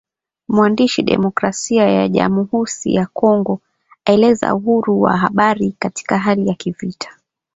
Mwandishi Demokrasia ya Jamuhusi ya Kongo aeleza uhuru wa habari katika hali ya kivita